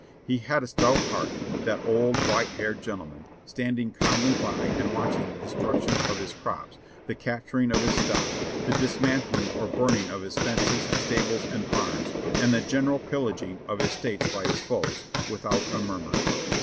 He had a stout heart, that old white haired gentleman, stand ing calmly by and watching the destruction of his crops, the capturing of his stock, the dismantling or burning of his fences, stables and barns and the general pillaging of his estates by his foes, without a murmur.